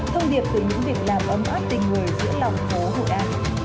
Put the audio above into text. thông điệp từ những việc làm ấm áp tình người giữa lòng phố hồ đa